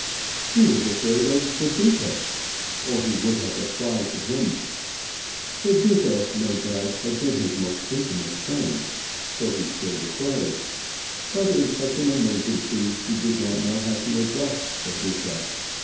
He was afraid of "the Duca," or he would have applied to him. "The Duca," no doubt had been his most intimate friend, so he still declared, but in such an emergency he did not know how to address "the Duca."